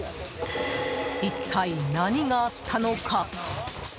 一体何があったのか？